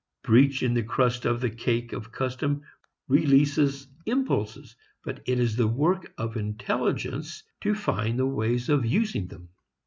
Breach in the crust of the cake of custom releases impulses; but it is the work of intelligence to find the ways of using them.